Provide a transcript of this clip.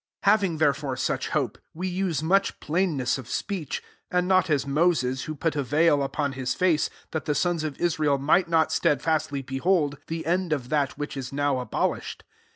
12 Having therefore such K>pe, we use much plainness >f speech ; 13 and not as Mo es, who put a ,veil upon his kce; that the sons of Israel light w>t steadfastly behold he end of that which is now ibolished.